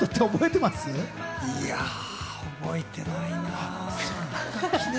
いや覚えてないな。